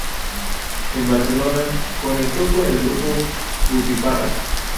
En Barcelona, conectó con el grupo "Butifarra!